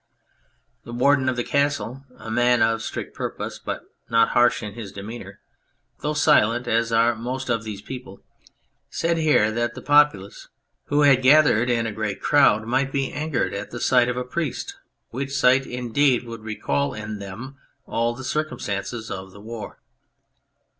The Warden of the Castle, a man of strict purpose, but not harsh in his demeanour (though silent, as are the most of these people), said here that the populace, who had gathered in a great crowd, might be angered at the sight of a priest, which sight indeed would recall in them all the circum stances of the war.